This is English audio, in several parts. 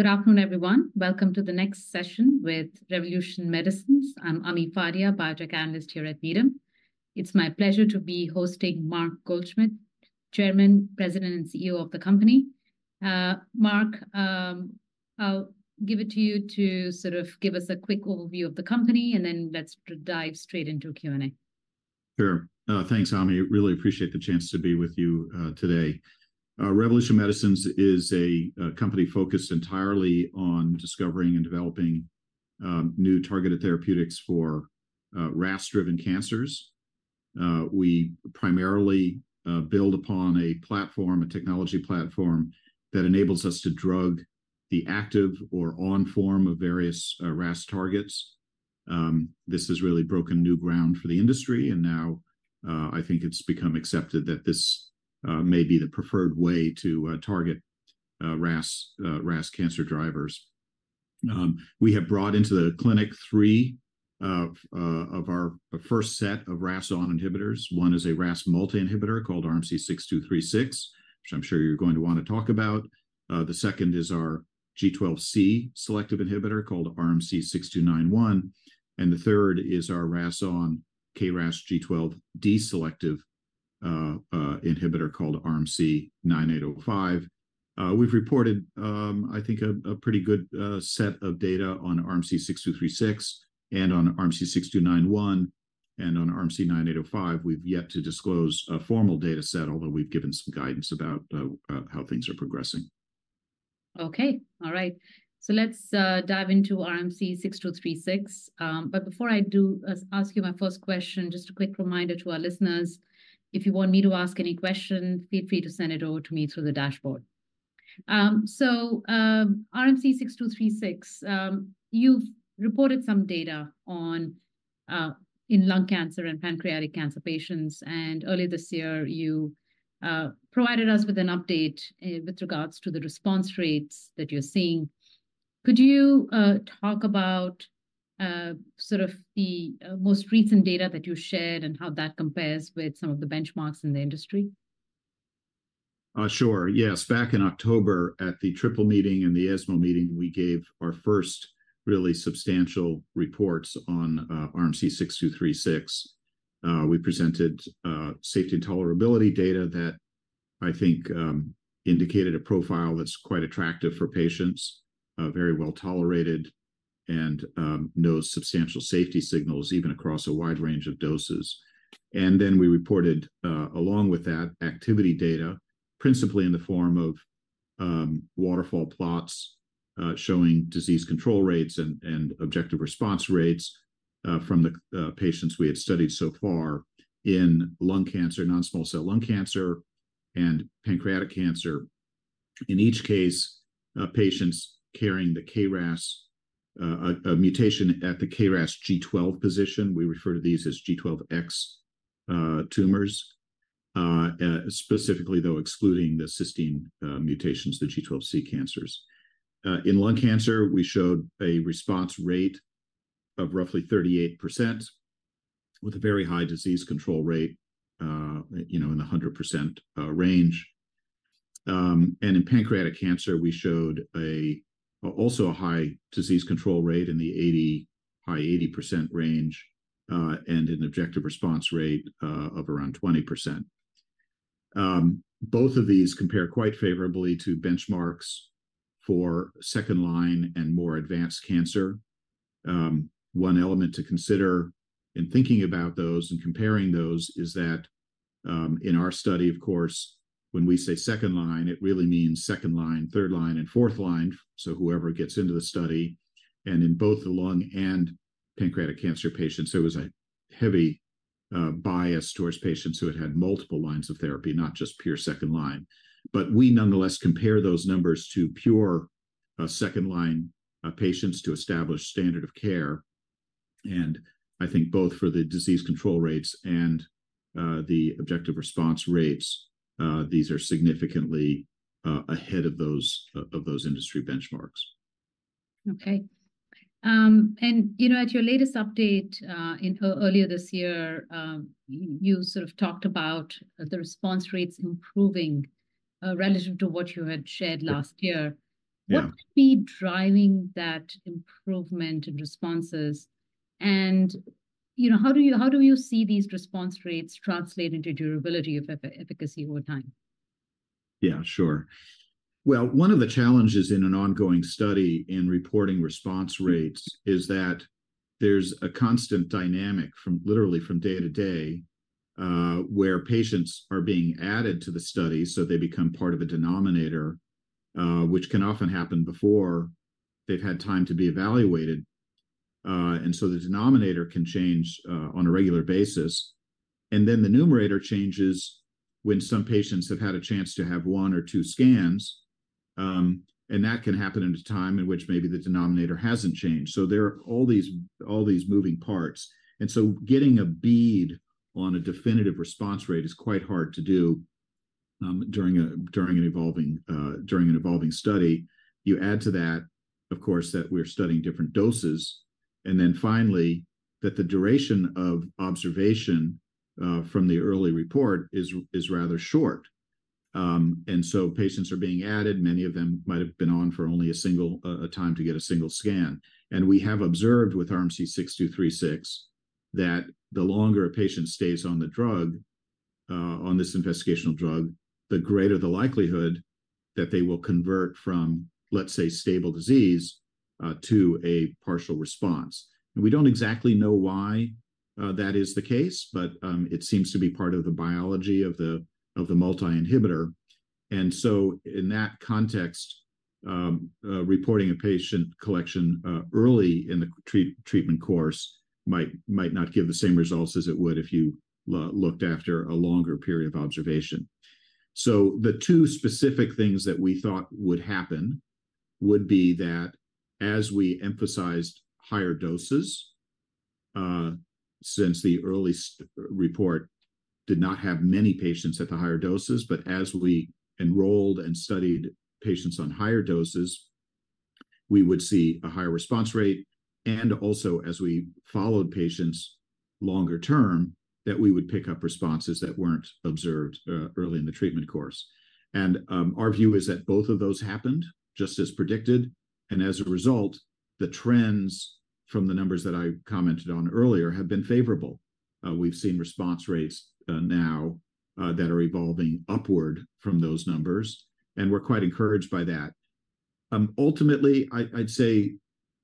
Good afternoon, everyone. Welcome to the next session with Revolution Medicines. I'm Ami Fadia, Biotech Analyst here at Needham & Company. It's my pleasure to be hosting Mark Goldsmith, Chairman, President, and CEO of the company. Mark, I'll give it to you to sort of give us a quick overview of the company, and then let's dive straight into Q&A. Sure. Thanks, Ami. Really appreciate the chance to be with you today. Revolution Medicines is a company focused entirely on discovering and developing new targeted therapeutics for RAS-driven cancers. We primarily build upon a platform, a technology platform, that enables us to drug the active or ON-form of various RAS targets. This has really broken new ground for the industry, and now I think it's become accepted that this may be the preferred way to target RAS cancer drivers. We have brought into the clinic three of our first set of RAS(ON) inhibitors. One is a RAS multi-inhibitor called RMC-6236, which I'm sure you're going to want to talk about. The second is our G12C selective inhibitor called RMC-6291, and the third is our RAS(ON) KRAS G12D selective inhibitor called RMC-9805. We've reported, I think, a pretty good set of data on RMC-6236 and on RMC-6291, and on RMC-9805. We've yet to disclose a formal data set, although we've given some guidance about how things are progressing. Okay. All right. So let's dive into RMC-6236. But before I do, ask you my first question, just a quick reminder to our listeners: if you want me to ask any question, feel free to send it over to me through the dashboard. So, RMC-6236, you've reported some data on in lung cancer and pancreatic cancer patients, and earlier this year you provided us with an update with regards to the response rates that you're seeing. Could you talk about sort of the most recent data that you shared and how that compares with some of the benchmarks in the industry? Sure. Yes. Back in October at the Triple Meeting and the ESMO meeting, we gave our first really substantial reports on RMC-6236. We presented safety and tolerability data that I think indicated a profile that's quite attractive for patients, very well tolerated, and no substantial safety signals even across a wide range of doses. And then we reported, along with that, activity data, principally in the form of waterfall plots, showing disease control rates and objective response rates from the patients we had studied so far in lung cancer, non-small cell lung cancer, and pancreatic cancer. In each case, patients carrying the KRAS a mutation at the KRAS G12 position. We refer to these as G12X tumors, specifically, though, excluding the cysteine mutations, the G12C cancers. In lung cancer, we showed a response rate of roughly 38% with a very high disease control rate, you know, in the 100% range. And in pancreatic cancer, we showed also a high disease control rate in the high 80% range, and an objective response rate of around 20%. Both of these compare quite favorably to benchmarks for second line and more advanced cancer. One element to consider in thinking about those and comparing those is that, in our study, of course, when we say second line, it really means second line, third line, and fourth line, so whoever gets into the study, and in both the lung and pancreatic cancer patients. So it was a heavy bias towards patients who had had multiple lines of therapy, not just pure second line. But we nonetheless compare those numbers to pure second line patients to establish standard of care. I think both for the disease control rates and the objective response rates, these are significantly ahead of those industry benchmarks. Okay, you know, at your latest update, earlier this year, you sort of talked about the response rates improving, relative to what you had shared last year. Yeah. What could be driving that improvement in responses? And, you know, how do you see these response rates translate into durability of efficacy over time? Yeah, sure. Well, one of the challenges in an ongoing study in reporting response rates is that there's a constant dynamic from literally day to day, where patients are being added to the study so they become part of a denominator, which can often happen before they've had time to be evaluated. And so the denominator can change on a regular basis. And then the numerator changes when some patients have had a chance to have one or two scans, and that can happen in a time in which maybe the denominator hasn't changed. So there are all these, all these moving parts. And so getting a bead on a definitive response rate is quite hard to do during an evolving study. You add to that, of course, that we're studying different doses, and then finally that the duration of observation, from the early report is rather short. And so patients are being added. Many of them might have been on for only a single time to get a single scan. And we have observed with RMC-6236 that the longer a patient stays on the drug, on this investigational drug, the greater the likelihood that they will convert from, let's say, stable disease, to a partial response. And we don't exactly know why, that is the case, but it seems to be part of the biology of the multi-inhibitor. And so in that context, reporting a patient collection, early in the treatment course might not give the same results as it would if you looked after a longer period of observation. So the two specific things that we thought would happen would be that as we emphasized higher doses, since the early report did not have many patients at the higher doses, but as we enrolled and studied patients on higher doses, we would see a higher response rate. Also as we followed patients longer term, that we would pick up responses that weren't observed early in the treatment course. Our view is that both of those happened just as predicted. As a result, the trends from the numbers that I commented on earlier have been favorable. We've seen response rates, now, that are evolving upward from those numbers, and we're quite encouraged by that. Ultimately, I, I'd say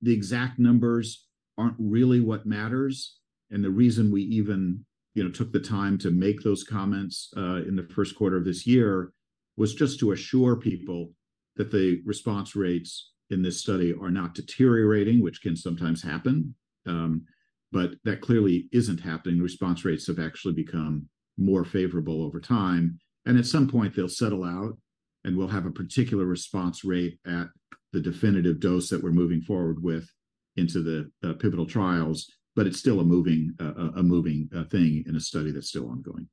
the exact numbers aren't really what matters. And the reason we even, you know, took the time to make those comments, in the first quarter of this year was just to assure people that the response rates in this study are not deteriorating, which can sometimes happen. But that clearly isn't happening. Response rates have actually become more favorable over time. And at some point they'll settle out and we'll have a particular response rate at the definitive dose that we're moving forward with into the pivotal trials. But it's still a moving thing in a study that's still ongoing.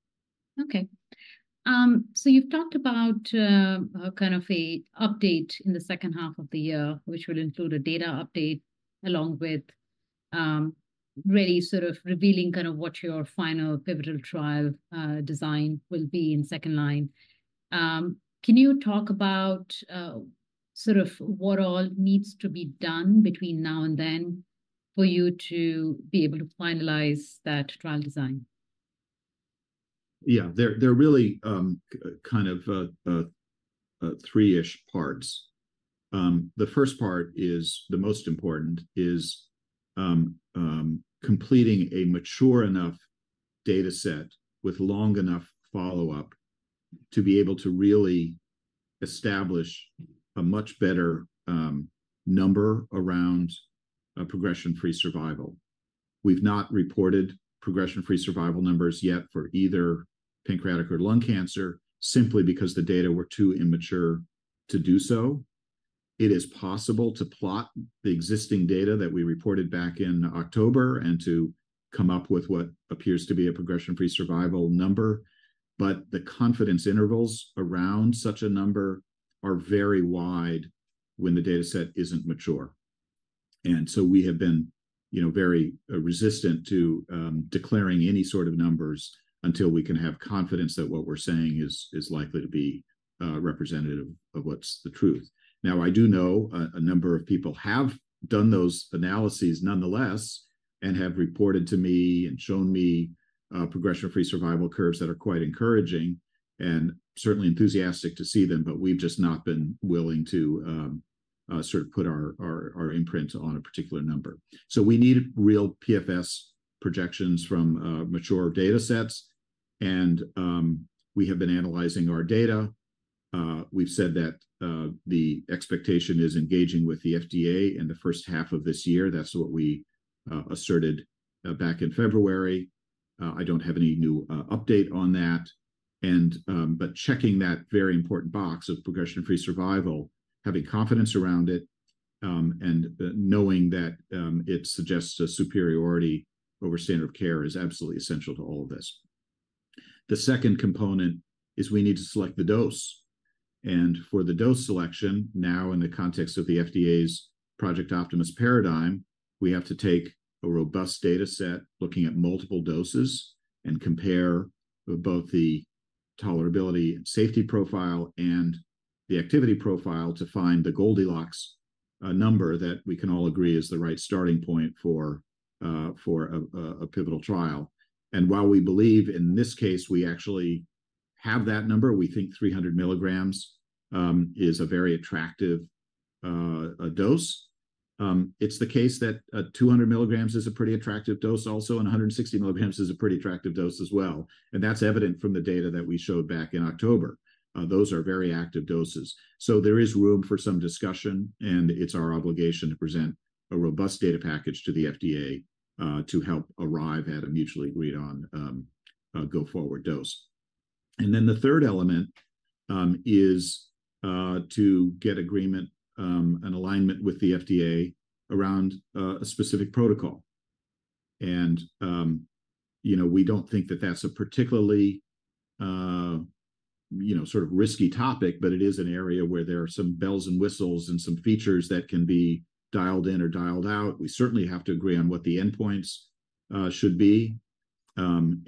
Okay. So you've talked about a kind of update in the second half of the year, which would include a data update along with really sort of revealing kind of what your final pivotal trial design will be in second line. Can you talk about sort of what all needs to be done between now and then for you to be able to finalize that trial design? Yeah, there really kind of three-ish parts. The first part is the most important is completing a mature enough data set with long enough follow-up to be able to really establish a much better number around progression-free survival. We've not reported progression-free survival numbers yet for either pancreatic or lung cancer simply because the data were too immature to do so. It is possible to plot the existing data that we reported back in October and to come up with what appears to be a progression-free survival number. But the confidence intervals around such a number are very wide when the data set isn't mature. And so we have been, you know, very resistant to declaring any sort of numbers until we can have confidence that what we're saying is likely to be representative of what's the truth. Now, I do know a number of people have done those analyses nonetheless and have reported to me and shown me progression-free survival curves that are quite encouraging and certainly enthusiastic to see them. But we've just not been willing to sort of put our imprint on a particular number. So we need real PFS projections from mature data sets. And we have been analyzing our data. We've said that the expectation is engaging with the FDA in the first half of this year. That's what we asserted back in February. I don't have any new update on that. And but checking that very important box of progression-free survival, having confidence around it, and knowing that it suggests a superiority over standard of care is absolutely essential to all of this. The second component is we need to select the dose. And for the dose selection, now in the context of the FDA's Project Optimus paradigm, we have to take a robust data set looking at multiple doses and compare both the tolerability and safety profile and the activity profile to find the Goldilocks number that we can all agree is the right starting point for a pivotal trial. And while we believe in this case we actually have that number, we think 300 mg is a very attractive dose. It's the case that 200 mg is a pretty attractive dose also, and 160 mg is a pretty attractive dose as well. And that's evident from the data that we showed back in October. Those are very active doses. So there is room for some discussion, and it's our obligation to present a robust data package to the FDA to help arrive at a mutually agreed on go-forward dose. And then the third element is to get agreement, an alignment with the FDA around a specific protocol. And, you know, we don't think that that's a particularly, you know, sort of risky topic, but it is an area where there are some bells and whistles and some features that can be dialed in or dialed out. We certainly have to agree on what the endpoints should be, and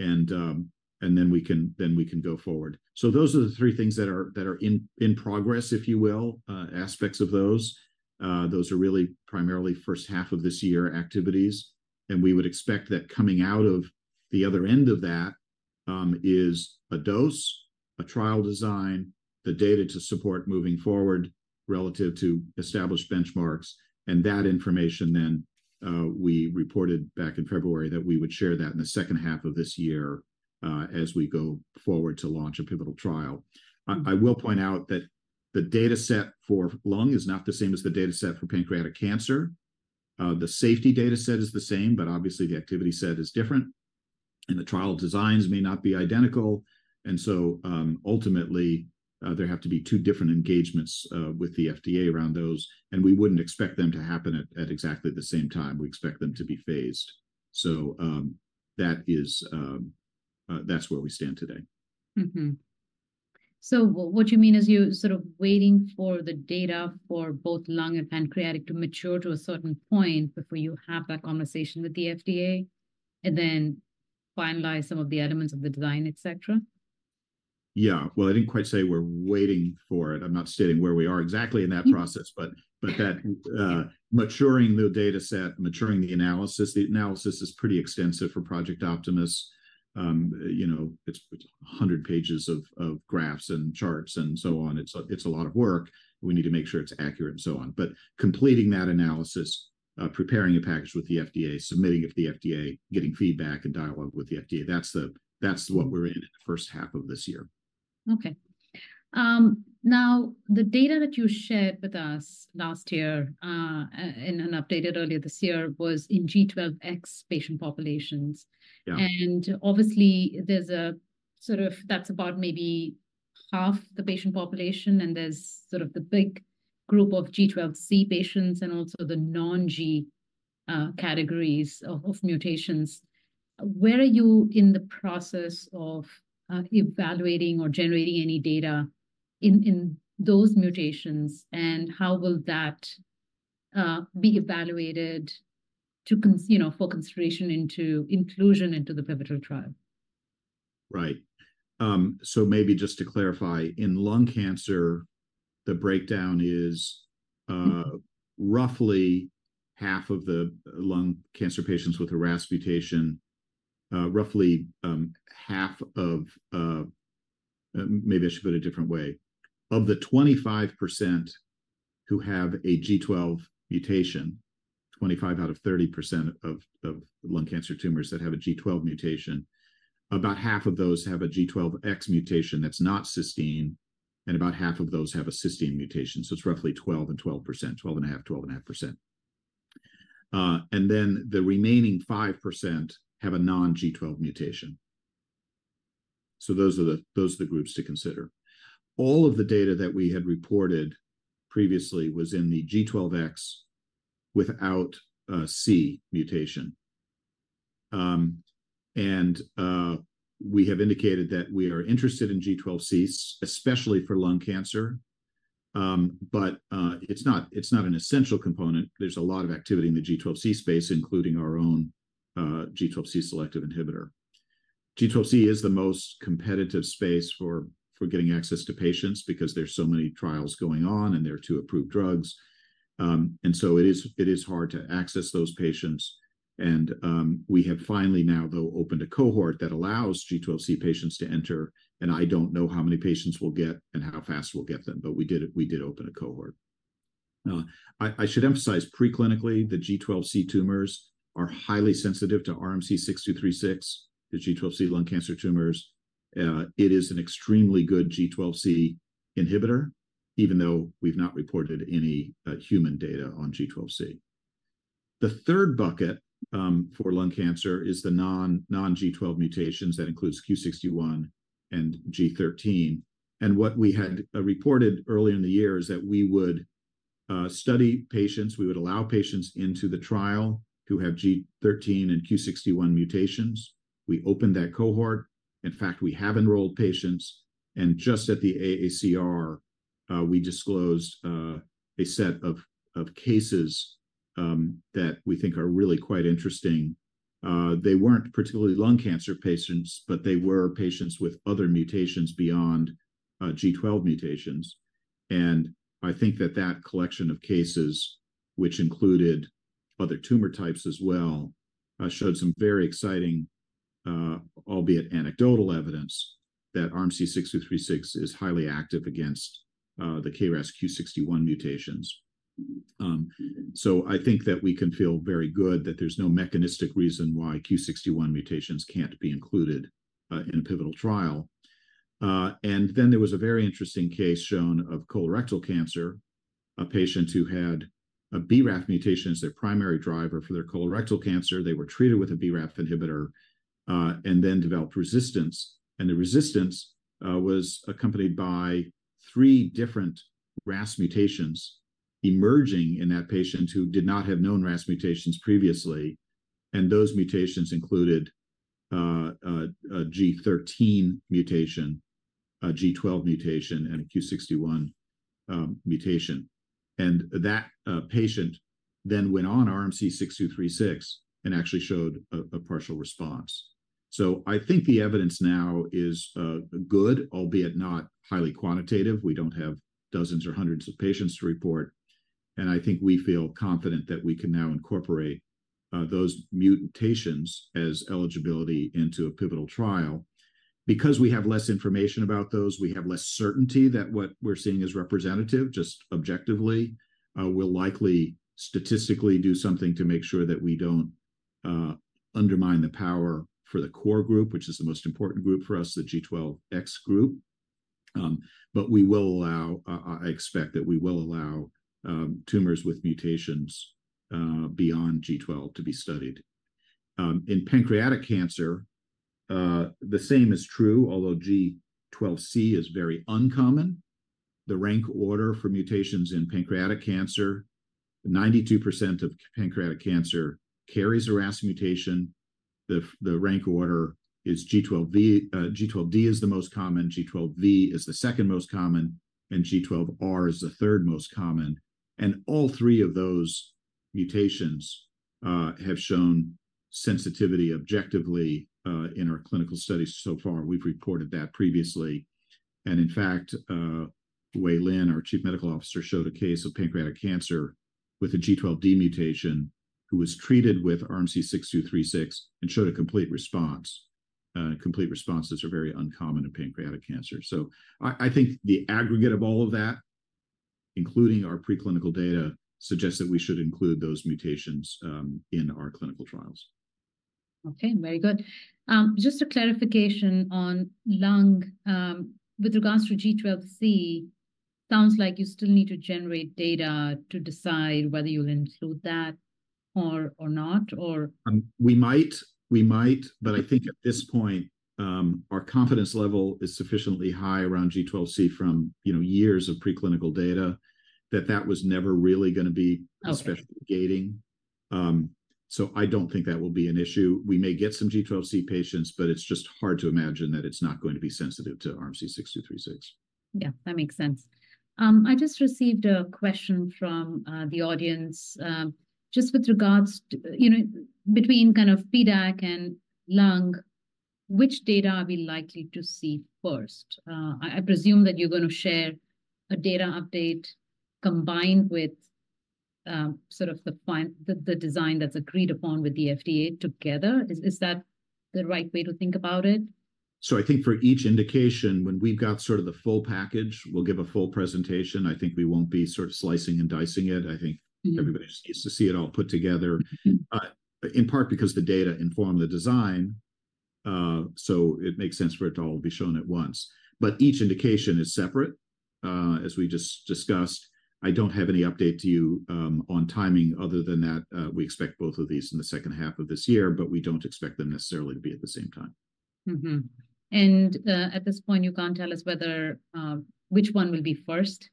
then we can go forward. So those are the three things that are in progress, if you will, aspects of those. Those are really primarily first half of this year activities. We would expect that coming out of the other end of that is a dose, a trial design, the data to support moving forward relative to established benchmarks. And that information then, we reported back in February that we would share that in the second half of this year, as we go forward to launch a pivotal trial. I, I will point out that the data set for lung is not the same as the data set for pancreatic cancer. The safety data set is the same, but obviously the activity set is different. And the trial designs may not be identical. And so, ultimately, there have to be two different engagements with the FDA around those. And we wouldn't expect them to happen at exactly the same time. We expect them to be phased. So, that is, that's where we stand today. Mm-hmm. So what you mean is you're sort of waiting for the data for both lung and pancreatic to mature to a certain point before you have that conversation with the FDA and then finalize some of the elements of the design, etc.? Yeah. Well, I didn't quite say we're waiting for it. I'm not stating where we are exactly in that process, but that, maturing the data set, maturing the analysis, the analysis is pretty extensive for Project Optimus. You know, it's 100 pages of graphs and charts and so on. It's a lot of work. We need to make sure it's accurate and so on. But completing that analysis, preparing a package with the FDA, submitting it to the FDA, getting feedback and dialogue with the FDA, that's what we're in in the first half of this year. Okay. Now the data that you shared with us last year, in an updated earlier this year was in G12X patient populations. Yeah. Obviously there's sort of that's about maybe half the patient population, and there's sort of the big group of G12C patients and also the non-G12C categories of mutations. Where are you in the process of evaluating or generating any data in those mutations, and how will that be evaluated to, you know, for consideration into inclusion into the pivotal trial? Right. So maybe just to clarify, in lung cancer, the breakdown is, roughly half of the lung cancer patients with a RAS mutation, roughly, half of, maybe I should put it a different way, of the 25% who have a G12 mutation, 25 out of 30% of, of lung cancer tumors that have a G12 mutation, about half of those have a G12X mutation that's not cysteine, and about half of those have a cysteine mutation. So it's roughly 12% and 12%, 12.5%, 12.5%. And then the remaining 5% have a non-G12 mutation. So those are the groups to consider. All of the data that we had reported previously was in the G12X without C mutation. And we have indicated that we are interested in G12Cs, especially for lung cancer. But it's not an essential component. There's a lot of activity in the G12C space, including our own G12C selective inhibitor. G12C is the most competitive space for getting access to patients because there's so many trials going on and there are two approved drugs. So it is hard to access those patients. We have finally now, though, opened a cohort that allows G12C patients to enter. I don't know how many patients we'll get and how fast we'll get them, but we did open a cohort. I should emphasize preclinically, the G12C tumors are highly sensitive to RMC-6236, the G12C lung cancer tumors. It is an extremely good G12C inhibitor, even though we've not reported any human data on G12C. The third bucket for lung cancer is the non-G12 mutations. That includes Q61 and G13. What we had reported earlier in the year is that we would study patients. We would allow patients into the trial who have G13 and Q61 mutations. We opened that cohort. In fact, we have enrolled patients. And just at the AACR, we disclosed a set of cases that we think are really quite interesting. They weren't particularly lung cancer patients, but they were patients with other mutations beyond G12 mutations. And I think that that collection of cases, which included other tumor types as well, showed some very exciting, albeit anecdotal evidence that RMC-6236 is highly active against the KRAS Q61 mutations. So I think that we can feel very good that there's no mechanistic reason why Q61 mutations can't be included in a pivotal trial. And then there was a very interesting case shown of colorectal cancer, a patient who had a BRAF mutation as their primary driver for their colorectal cancer. They were treated with a BRAF inhibitor, and then developed resistance. And the resistance was accompanied by three different RAS mutations emerging in that patient who did not have known RAS mutations previously. And those mutations included a G13 mutation, a G12 mutation, and a Q61 mutation. And that patient then went on RMC-6236 and actually showed a partial response. So I think the evidence now is good, albeit not highly quantitative. We don't have dozens or hundreds of patients to report. And I think we feel confident that we can now incorporate those mutations as eligibility into a pivotal trial because we have less information about those. We have less certainty that what we're seeing is representative, just objectively, will likely statistically do something to make sure that we don't undermine the power for the core group, which is the most important group for us, the G12X group. But we will allow, I expect that we will allow, tumors with mutations beyond G12 to be studied. In pancreatic cancer, the same is true, although G12C is very uncommon. The rank order for mutations in pancreatic cancer, 92% of pancreatic cancer carries a RAS mutation. The rank order is G12V, G12D is the most common, G12V is the second most common, and G12R is the third most common. And all three of those mutations have shown sensitivity objectively in our clinical studies so far. We've reported that previously. In fact, Wei Lin, our Chief Medical Officer, showed a case of pancreatic cancer with a G12D mutation who was treated with RMC-6236 and showed a complete response. Complete responses are very uncommon in pancreatic cancer. So I, I think the aggregate of all of that, including our preclinical data, suggests that we should include those mutations, in our clinical trials. Okay. Very good. Just a clarification on lung, with regards to G12C, sounds like you still need to generate data to decide whether you'll include that or, or not, or. We might, but I think at this point, our confidence level is sufficiently high around G12C from, you know, years of preclinical data that that was never really gonna be especially gating. So I don't think that will be an issue. We may get some G12C patients, but it's just hard to imagine that it's not going to be sensitive to RMC-6236. Yeah, that makes sense. I just received a question from the audience, just with regards, you know, between kind of PDAC and lung, which data are we likely to see first? I presume that you're gonna share a data update combined with sort of the final design that's agreed upon with the FDA together. Is that the right way to think about it? I think for each indication, when we've got sort of the full package, we'll give a full presentation. I think we won't be sort of slicing and dicing it. I think everybody just needs to see it all put together, in part because the data inform the design, so it makes sense for it to all be shown at once. But each indication is separate, as we just discussed. I don't have any update to you on timing other than that we expect both of these in the second half of this year, but we don't expect them necessarily to be at the same time. Mm-hmm. And, at this point, you can't tell us whether, which one will be first?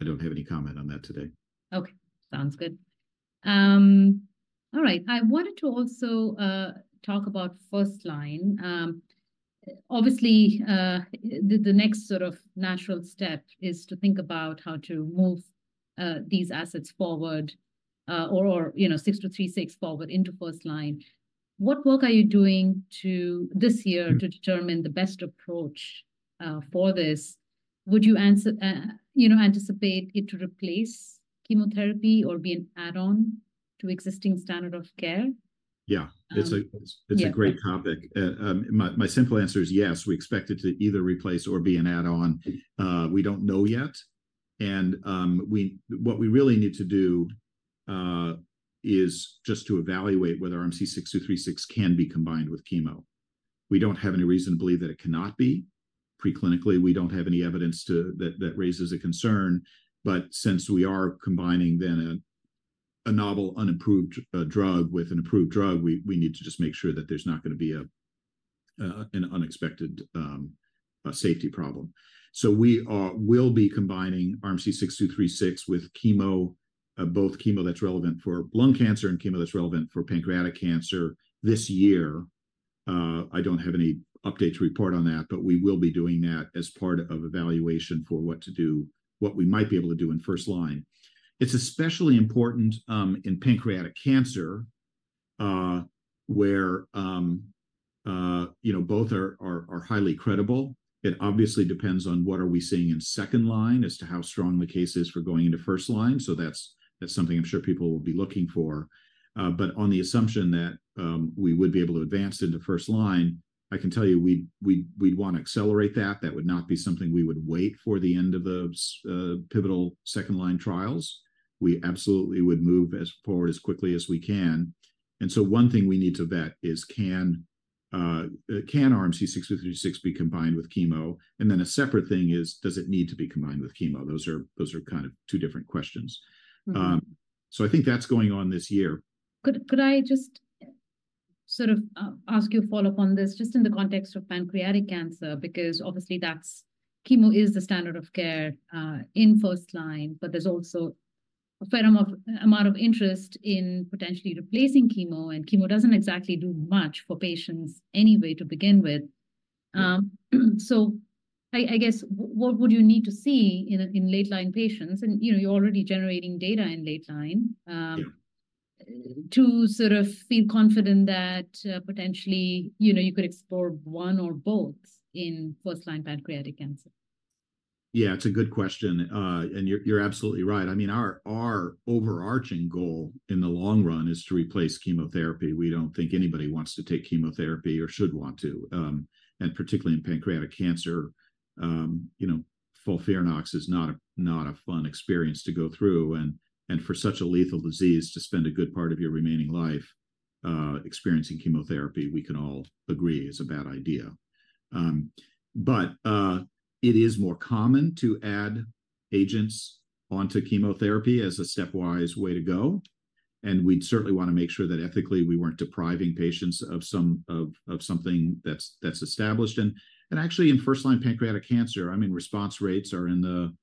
I don't have any comment on that today. Okay. Sounds good. All right. I wanted to also talk about first line. Obviously, the next sort of natural step is to think about how to move these assets forward, or, you know, 6236 forward into first line. What work are you doing this year to determine the best approach for this? Would you, you know, anticipate it to replace chemotherapy or be an add-on to existing standard of care? Yeah. It's a great topic. My simple answer is yes. We expect it to either replace or be an add-on. We don't know yet. What we really need to do is just to evaluate whether RMC-6236 can be combined with chemo. We don't have any reason to believe that it cannot be preclinically. We don't have any evidence that raises a concern. But since we are combining a novel, unapproved drug with an approved drug, we need to just make sure that there's not gonna be an unexpected safety problem. So we will be combining RMC-6236 with chemo, both chemo that's relevant for lung cancer and chemo that's relevant for pancreatic cancer this year. I don't have any update to report on that, but we will be doing that as part of evaluation for what to do, what we might be able to do in first line. It's especially important, in pancreatic cancer, where, you know, both are highly credible. It obviously depends on what we are seeing in second line as to how strong the case is for going into first line. So that's something I'm sure people will be looking for. But on the assumption that we would be able to advance into first line, I can tell you we'd wanna accelerate that. That would not be something we would wait for the end of the pivotal second line trials. We absolutely would move as forward as quickly as we can. And so one thing we need to vet is can RMC-6236 be combined with chemo? Then a separate thing is, does it need to be combined with chemo? Those are kind of two different questions. So I think that's going on this year. Could I just sort of ask you a follow-up on this just in the context of pancreatic cancer? Because obviously that's chemo is the standard of care in first line, but there's also a fair amount of interest in potentially replacing chemo, and chemo doesn't exactly do much for patients anyway to begin with. So I guess what would you need to see in late line patients? And you know, you're already generating data in late line, to sort of feel confident that potentially you know you could explore one or both in first line pancreatic cancer. Yeah, it's a good question. And you're, you're absolutely right. I mean, our, our overarching goal in the long run is to replace chemotherapy. We don't think anybody wants to take chemotherapy or should want to, and particularly in pancreatic cancer. You know, FOLFIRINOX is not a not a fun experience to go through. And, and for such a lethal disease to spend a good part of your remaining life, experiencing chemotherapy, we can all agree is a bad idea. But, it is more common to add agents onto chemotherapy as a stepwise way to go. And we'd certainly wanna make sure that ethically we weren't depriving patients of some of of something that's, that's established. And, and actually in first line pancreatic cancer, I mean, response rates are in the,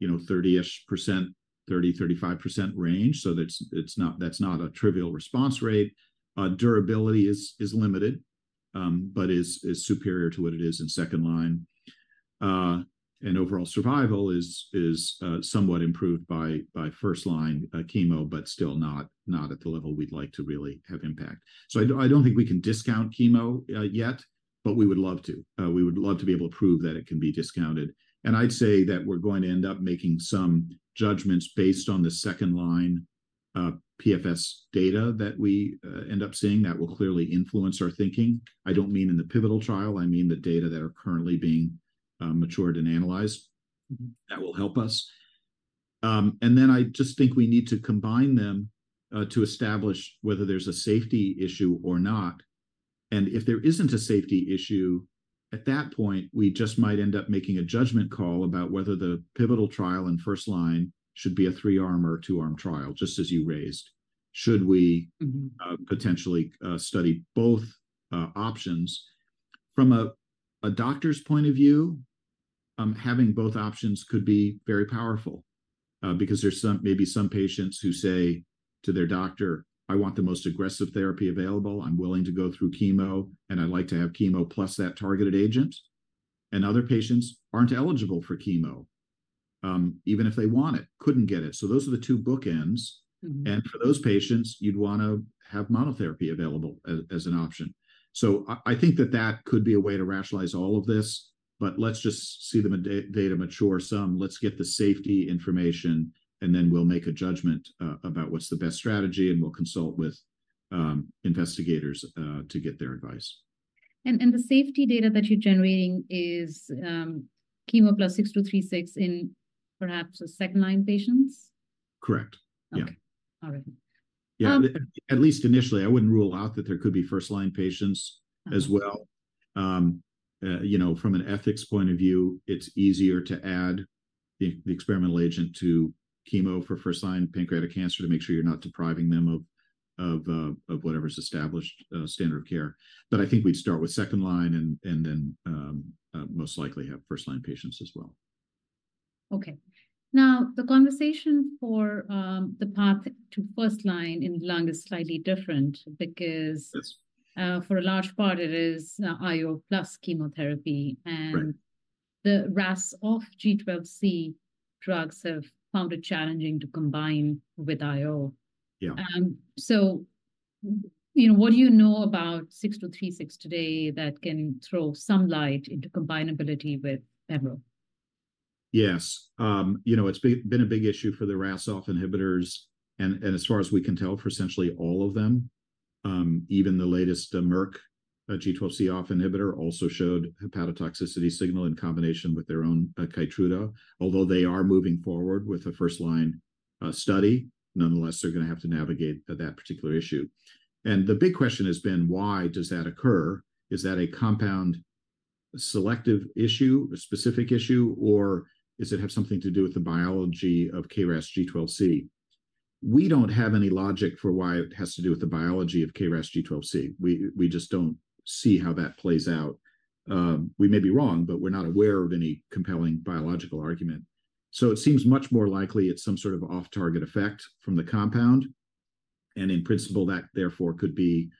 you know, 30%-ish, 30%-35% range. So that's, it's not that's not a trivial response rate. Durability is limited, but is superior to what it is in second line. Overall survival is somewhat improved by first line chemo, but still not at the level we'd like to really have impact. So I don't think we can discount chemo yet, but we would love to. We would love to be able to prove that it can be discounted. I'd say that we're going to end up making some judgments based on the second line PFS data that we end up seeing that will clearly influence our thinking. I don't mean in the pivotal trial. I mean the data that are currently being matured and analyzed that will help us. Then I just think we need to combine them to establish whether there's a safety issue or not. If there isn't a safety issue, at that point, we just might end up making a judgment call about whether the pivotal trial in first line should be a three-arm or a two-arm trial, just as you raised. Should we, potentially, study both options? From a doctor's point of view, having both options could be very powerful, because there's some, maybe some patients who say to their doctor, "I want the most aggressive therapy available. I'm willing to go through chemo, and I'd like to have chemo plus that targeted agent." Other patients aren't eligible for chemo, even if they want it, couldn't get it. So those are the two bookends. For those patients, you'd wanna have monotherapy available as an option. I think that that could be a way to rationalize all of this. But let's just see the data mature some. Let's get the safety information, and then we'll make a judgment about what's the best strategy, and we'll consult with investigators to get their advice. And the safety data that you're generating is chemo plus 6236 in perhaps second-line patients? Correct. Yeah. Okay. All right. Yeah. At least initially, I wouldn't rule out that there could be first line patients as well. You know, from an ethics point of view, it's easier to add the experimental agent to chemo for first line pancreatic cancer to make sure you're not depriving them of whatever's established, standard of care. But I think we'd start with second line and then, most likely have first line patients as well. Okay. Now, the conversation for, the path to first line in lung is slightly different because, for a large part, it is IO plus chemotherapy. And the RAS off G12C drugs have found it challenging to combine with IO. Yeah. You know, what do you know about 6236 today that can throw some light into combinability with EMRO? Yes, you know, it's been a big issue for the RAS off inhibitors. And as far as we can tell, for essentially all of them, even the latest, Merck G12C off inhibitor also showed hepatotoxicity signal in combination with their own Keytruda. Although they are moving forward with a first-line study, nonetheless, they're gonna have to navigate that particular issue. And the big question has been, why does that occur? Is that a compound selective issue, a specific issue, or does it have something to do with the biology of KRAS G12C? We don't have any logic for why it has to do with the biology of KRAS G12C. We just don't see how that plays out. We may be wrong, but we're not aware of any compelling biological argument. So it seems much more likely it's some sort of off-target effect from the compound. And in principle, that therefore could be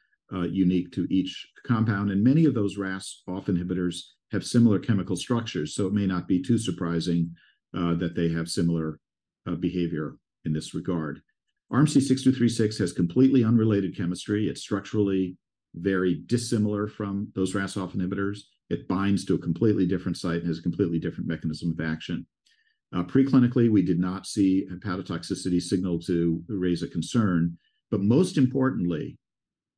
unique to each compound. And many of those RAS off inhibitors have similar chemical structures, so it may not be too surprising that they have similar behavior in this regard. RMC-6236 has completely unrelated chemistry. It's structurally very dissimilar from those RAS off inhibitors. It binds to a completely different site and has a completely different mechanism of action. Preclinically, we did not see hepatotoxicity signal to raise a concern. But most importantly,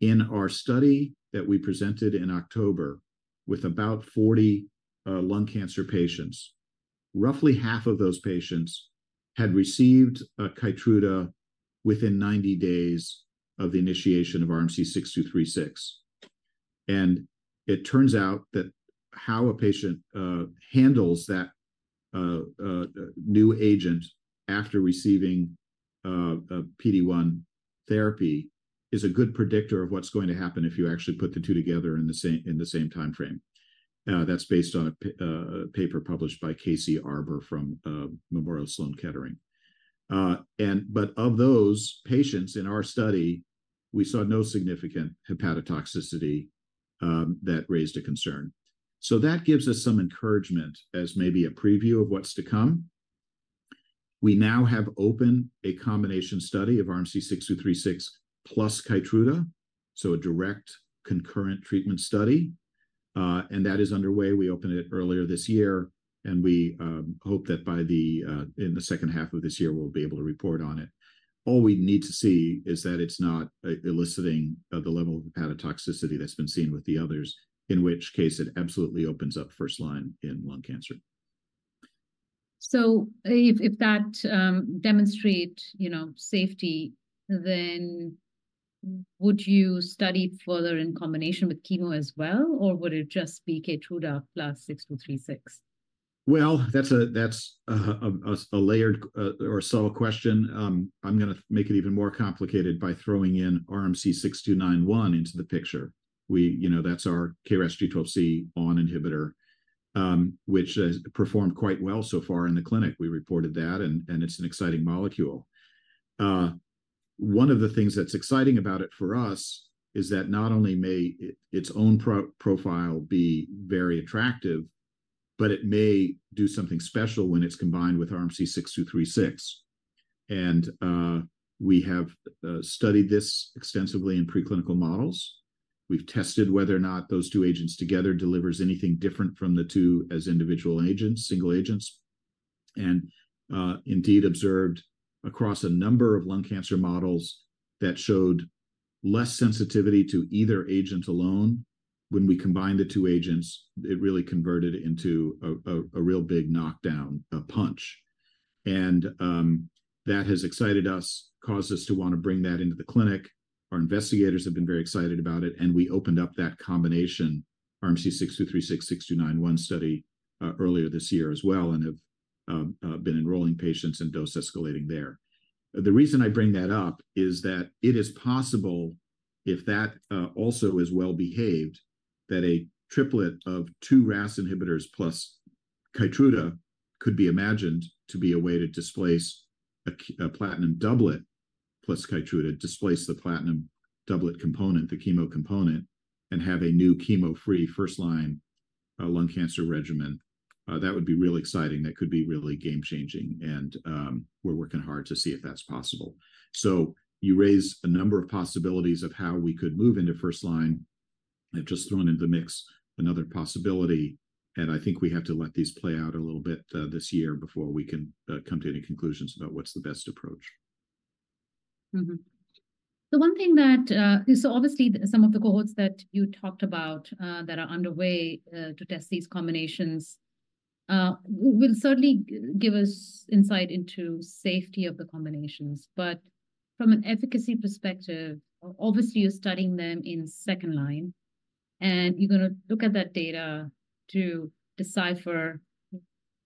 in our study that we presented in October with about 40 lung cancer patients, roughly half of those patients had received a Keytruda within 90 days of the initiation of RMC-6236. And it turns out that how a patient handles that new agent after receiving PD-1 therapy is a good predictor of what's going to happen if you actually put the two together in the same timeframe. That's based on a paper published by Kathryn Arbour from Memorial Sloan Kettering. But of those patients in our study, we saw no significant hepatotoxicity that raised a concern. So that gives us some encouragement as maybe a preview of what's to come. We now have open a combination study of RMC-6236 plus Keytruda, so a direct concurrent treatment study. And that is underway. We opened it earlier this year, and we hope that by the in the second half of this year, we'll be able to report on it. All we need to see is that it's not eliciting the level of hepatotoxicity that's been seen with the others, in which case it absolutely opens up first line in lung cancer. So if that demonstrates, you know, safety, then would you study further in combination with chemo as well, or would it just be Keytruda plus 6236? Well, that's a layered or subtle question. I'm gonna make it even more complicated by throwing in RMC-6291 into the picture. We, you know, that's our KRAS G12C ON inhibitor, which has performed quite well so far in the clinic. We reported that, and it's an exciting molecule. One of the things that's exciting about it for us is that not only may its own profile be very attractive, but it may do something special when it's combined with RMC-6236. And we have studied this extensively in preclinical models. We've tested whether or not those two agents together delivers anything different from the two as individual agents, single agents, and indeed observed across a number of lung cancer models that showed less sensitivity to either agent alone. When we combined the two agents, it really converted into a real big knockdown, a punch. That has excited us, caused us to wanna bring that into the clinic. Our investigators have been very excited about it, and we opened up that combination, RMC-6236-6291 study, earlier this year as well and have been enrolling patients and dose escalating there. The reason I bring that up is that it is possible if that also is well behaved, that a triplet of two RAS inhibitors plus Keytruda could be imagined to be a way to displace a platinum doublet plus Keytruda, displace the platinum doublet component, the chemo component, and have a new chemo-free first-line lung cancer regimen. That would be really exciting. That could be really game-changing. We're working hard to see if that's possible. So you raise a number of possibilities of how we could move into first line. I've just thrown into the mix another possibility, and I think we have to let these play out a little bit this year before we can come to any conclusions about what's the best approach. Mm-hmm. The one thing that, so obviously some of the cohorts that you talked about, that are underway, to test these combinations, will certainly give us insight into safety of the combinations. But from an efficacy perspective, obviously you're studying them in second line, and you're gonna look at that data to decipher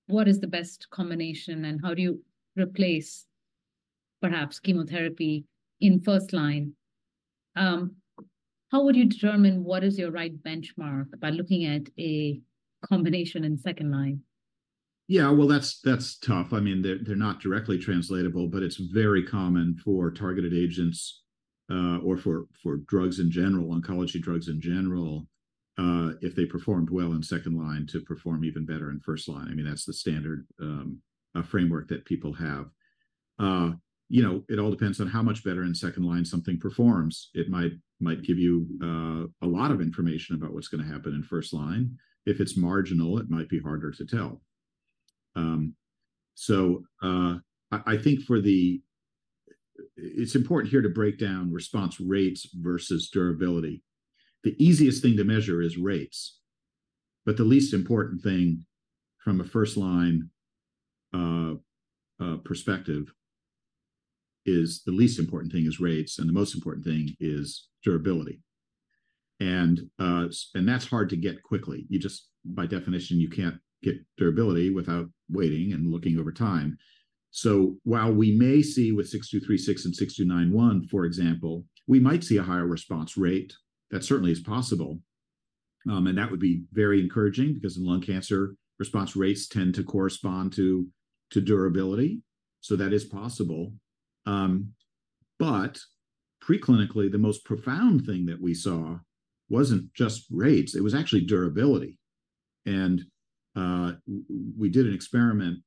what is the best combination and how do you replace perhaps chemotherapy in first line. How would you determine what is your right benchmark by looking at a combination in second line? Yeah. Well, that's tough. I mean, they're not directly translatable, but it's very common for targeted agents, or for drugs in general, oncology drugs in general, if they performed well in second line to perform even better in first line. I mean, that's the standard framework that people have. You know, it all depends on how much better in second line something performs. It might give you a lot of information about what's gonna happen in first line. If it's marginal, it might be harder to tell. So, I think for this it's important here to break down response rates versus durability. The easiest thing to measure is rates. But the least important thing from a first line perspective is rates, and the most important thing is durability. And that's hard to get quickly. You just, by definition, you can't get durability without waiting and looking over time. So while we may see with 6236 and 6291, for example, we might see a higher response rate. That certainly is possible. And that would be very encouraging because in lung cancer, response rates tend to correspond to durability. So that is possible. But preclinically, the most profound thing that we saw wasn't just rates. It was actually durability. And we did an experiment,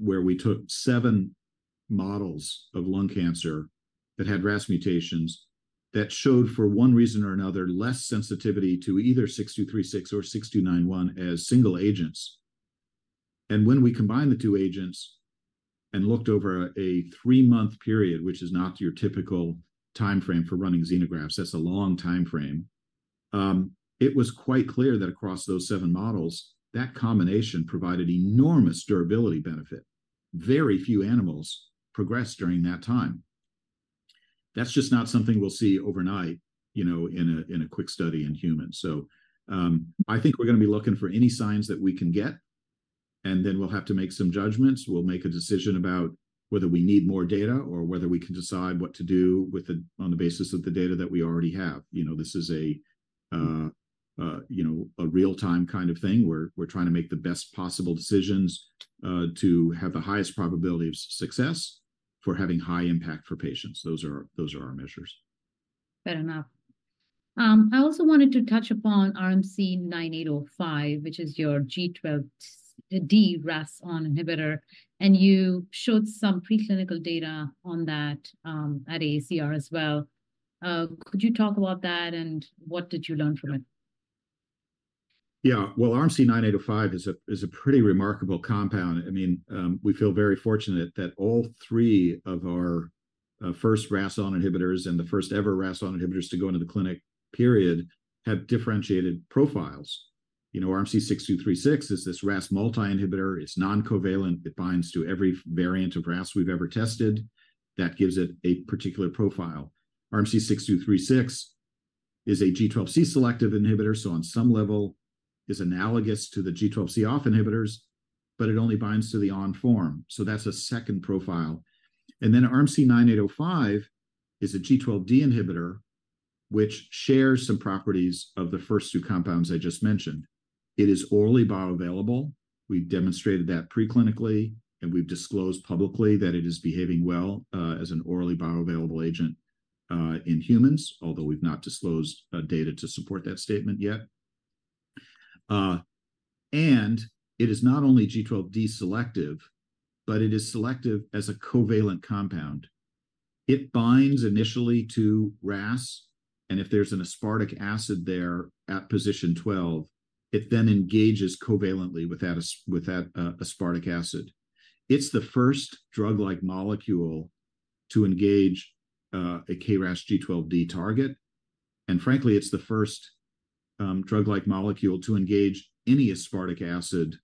where we took seven models of lung cancer that had RAS mutations that showed for one reason or another less sensitivity to either 6236 or 6291 as single agents. And when we combined the two agents and looked over a three-month period, which is not your typical timeframe for running xenografts, that's a long timeframe. It was quite clear that across those seven models, that combination provided enormous durability benefit. Very few animals progressed during that time. That's just not something we'll see overnight, you know, in a quick study in humans. So, I think we're gonna be looking for any signs that we can get, and then we'll have to make some judgments. We'll make a decision about whether we need more data or whether we can decide what to do with the on the basis of the data that we already have. You know, this is a, you know, a real-time kind of thing where we're trying to make the best possible decisions, to have the highest probability of success for having high impact for patients. Those are our measures. Fair enough. I also wanted to touch upon RMC-9805, which is your G12D RAS(ON) inhibitor. And you showed some preclinical data on that, at AACR as well. Could you talk about that, and what did you learn from it? Yeah. Well, RMC-9805 is a pretty remarkable compound. I mean, we feel very fortunate that all three of our first RAS(ON) inhibitors and the first-ever RAS(ON) inhibitors to go into the clinic, period, have differentiated profiles. You know, RMC-6236 is this RAS multi-inhibitor. It's noncovalent. It binds to every variant of RAS we've ever tested. That gives it a particular profile. RMC-6236 is a G12C selective inhibitor. So on some level, it's analogous to the G12C off inhibitors, but it only binds to the on form. So that's a second profile. And then RMC-9805 is a G12D inhibitor, which shares some properties of the first two compounds I just mentioned. It is orally bioavailable. We've demonstrated that preclinically, and we've disclosed publicly that it is behaving well as an orally bioavailable agent in humans, although we've not disclosed data to support that statement yet. It is not only G12D selective, but it is selective as a covalent compound. It binds initially to RAS, and if there's an aspartic acid there at position 12, it then engages covalently with that asp with that, aspartic acid. It's the first drug-like molecule to engage a KRAS G12D target. And frankly, it's the first drug-like molecule to engage any aspartic acid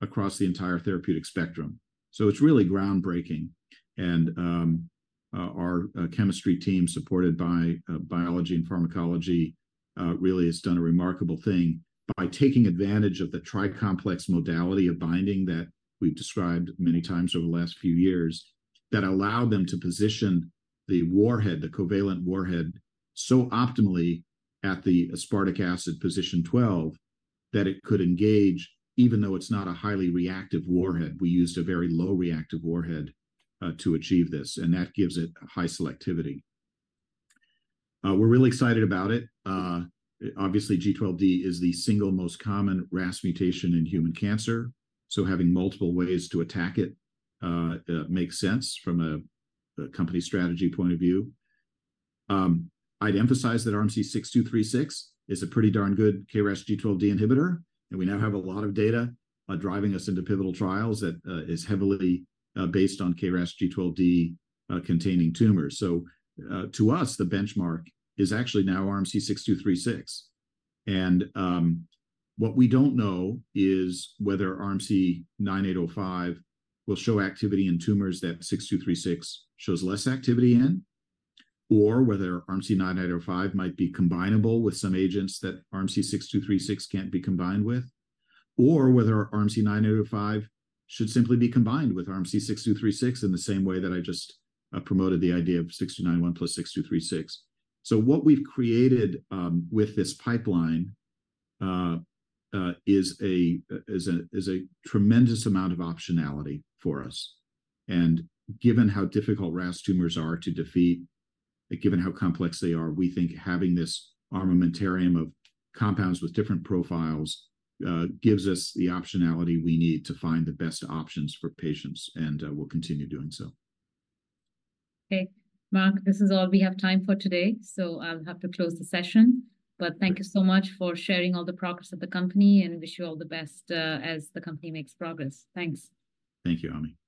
across the entire therapeutic spectrum. So it's really groundbreaking. And our chemistry team supported by biology and pharmacology really has done a remarkable thing by taking advantage of the tri-complex modality of binding that we've described many times over the last few years that allowed them to position the warhead, the covalent warhead, so optimally at the aspartic acid position 12 that it could engage even though it's not a highly reactive warhead. We used a very low reactive warhead, to achieve this, and that gives it high selectivity. We're really excited about it. Obviously, G12D is the single most common RAS mutation in human cancer. So having multiple ways to attack it makes sense from a company strategy point of view. I'd emphasize that RMC-6236 is a pretty darn good KRAS G12D inhibitor, and we now have a lot of data driving us into pivotal trials that is heavily based on KRAS G12D-containing tumors. So, to us, the benchmark is actually now RMC-6236. And, what we don't know is whether RMC-9805 will show activity in tumors that RMC-6236 shows less activity in, or whether RMC-9805 might be combinable with some agents that RMC-6236 can't be combined with, or whether RMC-9805 should simply be combined with RMC-6236 in the same way that I just promoted the idea of RMC-6291 plus RMC-6236. So what we've created, with this pipeline, is a tremendous amount of optionality for us. And given how difficult RAS tumors are to defeat, given how complex they are, we think having this armamentarium of compounds with different profiles gives us the optionality we need to find the best options for patients, and we'll continue doing so. Okay, Mark, this is all we have time for today. So I'll have to close the session. But thank you so much for sharing all the progress of the company, and wish you all the best, as the company makes progress. Thanks. Thank you, Ami.